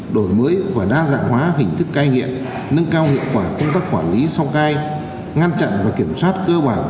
đổi mới và đa dạng hóa hình thức cai nghiện nâng cao hiệu quả công tác quản lý sau cai ngăn chặn và kiểm soát cơ bản